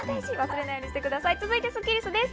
続いてスッキりすです。